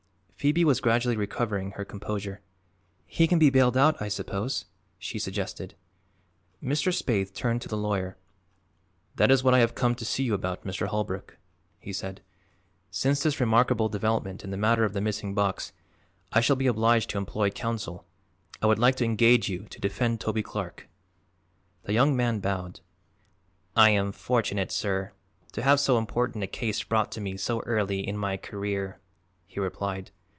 Phoebe was gradually recovering her composure. "He can be bailed out, I suppose," she suggested. Mr. Spaythe turned to the lawyer. "That is what I have come to see you about, Mr. Holbrook," he said. "Since this remarkable development in the matter of the missing box, I shall be obliged to employ counsel. I would like to engage you to defend Toby Clark." The young man bowed. "I am fortunate, sir, to have so important a case brought to me so early in my career," he replied.